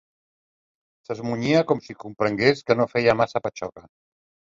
S'esmunyia com si comprengués que no feia massa patxoca